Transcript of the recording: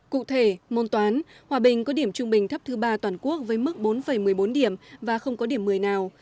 cụ thể môn toán hòa bình có điểm trung bình thấp thứ ba toàn quốc với mức bốn một mươi bốn điểm và không có điểm một mươi nào